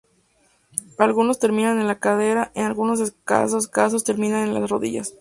Algunos terminan en la cadera, en algunos escasos casos, terminan en las rodillas.